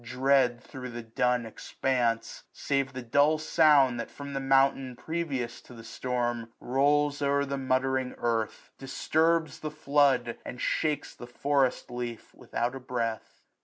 Dread thro* the dun expanse ; save the dull sound That from the mountain, previous to the storm. Rolls o'er the muttering earth, disturbs the flood. And shakes the forest leaf without a breath.